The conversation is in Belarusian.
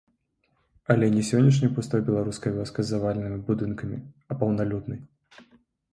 Але не сённяшняй пустой беларускай вёскай з заваленымі будынкамі, а паўналюднай.